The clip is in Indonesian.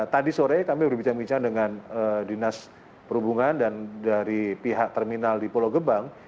tadi sore kami berbicara dengan dinas perhubungan dan dari pihak terminal di pulau gebang